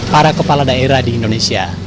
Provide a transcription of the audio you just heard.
para kepala daerah di indonesia